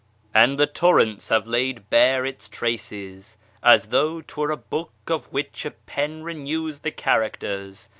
And the torrents have laid bare its traces, as though 'Twere a book of which a pen renews the characters.